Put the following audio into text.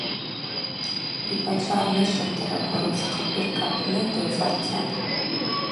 Йпачва рнышвынтараква рыдзхъабырг апны дыцӏарцӏатӏ.